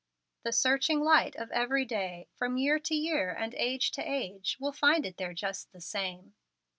The searching light of every day, from year to year and age to age, will find it there just the same.